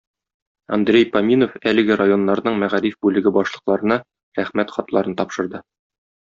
Андрей Поминов әлеге районнарның мәгариф бүлеге башлыкларына рәхмәт хатларын тапшырды.